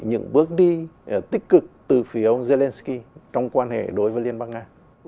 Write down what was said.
những bước đi tích cực từ phía ông zelensky trong quan hệ đối với liên bang nga